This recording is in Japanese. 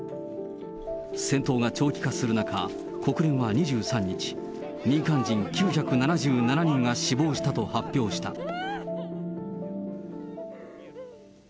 戦闘が長期化する中、国連は２３日、民間人９７７人が死亡したと発表した。